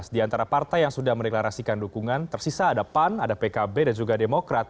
di antara partai yang sudah mendeklarasikan dukungan tersisa ada pan ada pkb dan juga demokrat